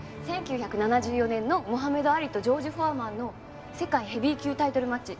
１９７４年のモハメド・アリとジョージ・フォアマンの世界ヘビー級タイトルマッチ。